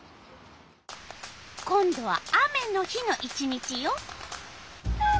今度は雨の日の１日よ。